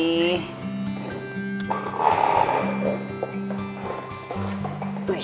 yuk sarapan dulu ya